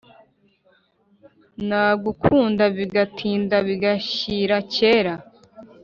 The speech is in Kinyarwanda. Nagukunda bigatinda bigashyira kera